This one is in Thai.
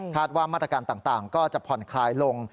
ว่ามาตรการต่างก็จะผ่อนคลายลง